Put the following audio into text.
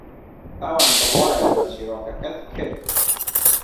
ئەوان بڕوایان بە چیرۆکەکەت کرد.